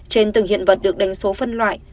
trên từng hiện vật được đánh số phân loại